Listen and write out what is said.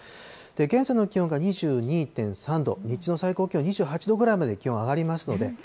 現在の気温が２２．３度、日中の最高気温２８度ぐらいまで気温上がりますので。